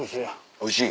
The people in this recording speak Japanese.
おいしい？